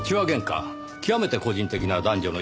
極めて個人的な男女の諍いですねぇ。